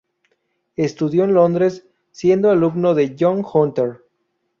Estudió en Londres, siendo alumno de John Hunter.